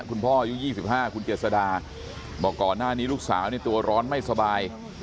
คุณพ่ออยู่๒๕คุณเกียรติศดาบอกก่อนหน้านี้ลูกสาวนี่ตัวร้อนไม่สบาย